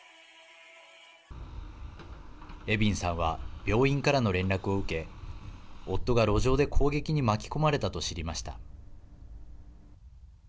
エビンさんは病院からの連絡を受け夫が路上で攻撃に巻き込まれたと知りました。